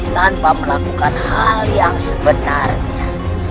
tanpa melakukan hal yang sebenarnya